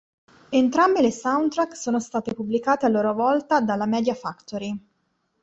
Entrambe le soundtrack sono state pubblicate a loro volta dalla Media Factory.